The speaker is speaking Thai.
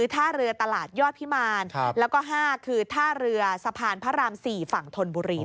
๔ท่าเรือตลาดยอดพิมาน๕ท่าเรือสะพานพระราม๔ฝั่งธนบุรี